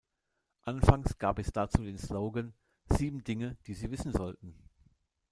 Anfangs gab es dazu den Slogan „Sieben Dinge, die Sie wissen sollten“.